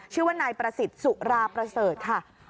ชื่อว่านายประสิทธิ์สุราประเสริฐค่ะ